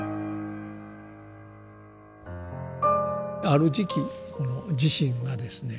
ある時期この慈信がですね